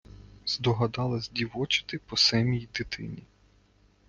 Здогадалась дівочити по семій дитині.